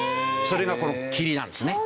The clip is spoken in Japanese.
それがこのキリなんですね。